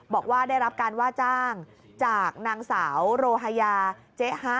บอกว่าได้รับการว่าจ้างจากนางสาวโรฮายาเจ๊ฮะ